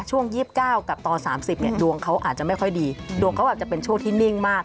ช่วง๒๙กับต่อ๓๐เนี่ยดวงเขาอาจจะไม่ค่อยดีดวงเขาอาจจะเป็นช่วงที่นิ่งมาก